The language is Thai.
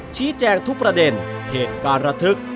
ชี้แจงทุกประเด็นเหตุการณ์ระทึก